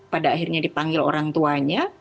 pada akhirnya dipanggil orang tuanya